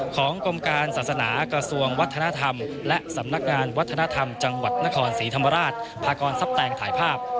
ของกรมการศาสนากระทรวงวัฒนธรรมและสำนักงานวัฒนธรรมจังหวัดนครศรีธรรมราชพากรทรัพย์แตงถ่ายภาพ